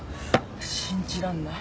信じらんない。